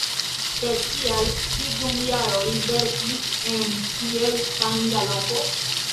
Sed kial ŝi dum jaroj verkis en tiel stranga loko?